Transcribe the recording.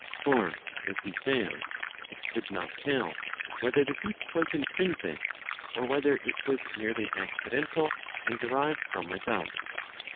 For, as he says,* it could not tell whether the heat was intrinsT c, or whether I it was merely accidental and derived from without.